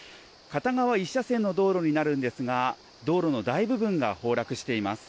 片側１車線の道路になるんですが道路の大部分が崩落しています。